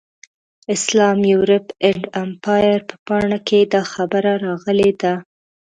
اسلام، یورپ اینډ امپایر په پاڼه کې دا خبره راغلې ده.